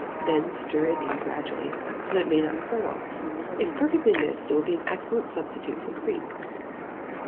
Then stir it in gradually, so that it may not curdle. If perfectly mixed, it will be an excellent substitute for cream.